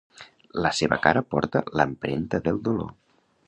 La seva cara porta l'empremta del dolor.